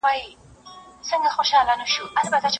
شعرونه د یادولو وړ دي.